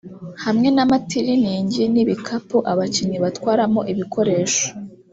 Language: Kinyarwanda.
hamwe n’amatiliningi n’ibikapu abakinnyi batwaramo ibikoresho